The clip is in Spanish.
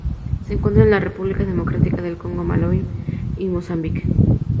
Se encuentra en República Democrática del Congo Malaui y Mozambique.